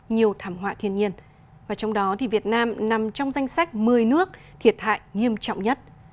nhiều thảm họa thiên nhiên và trong đó thì việt nam nằm trong danh sách một mươi nước thiệt hại nghiêm trọng nhất